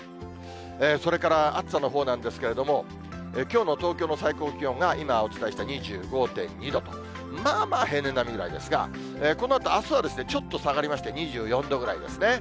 それから暑さのほうなんですけれども、きょうの東京の最高気温が、今、お伝えした２５．２度と、まあまあ平年並みぐらいですが、このあとあすは、ちょっと下がりまして、２４度ぐらいですね。